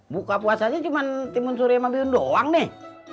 buka puasanya cuman timun suri sama biun doang nih